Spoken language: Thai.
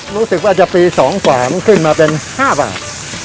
รู้สึกว่าอาจจะปี๒กว่ามันขึ้นมาเป็น๕บาท